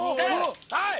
はい！